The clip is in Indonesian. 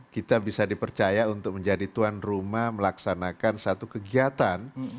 kita bisa dipercaya untuk menjadi tuan rumah melaksanakan satu kegiatan